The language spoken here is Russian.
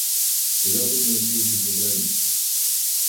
Я думаю съездить за границу.